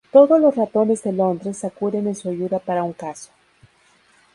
Todos los ratones de Londres acuden en su ayuda para un caso.